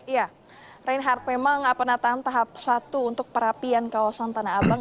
ya reinhardt memang penataan tahap satu untuk perapian kawasan tanah abang